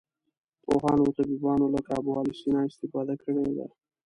پوهانو او طبیبانو لکه ابوعلي سینا استفاده کړې ده.